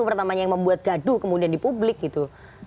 pertamanya yang membuat gaduh kemudian di publik gitu